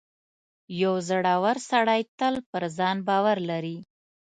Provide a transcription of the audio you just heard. • یو زړور سړی تل پر ځان باور لري.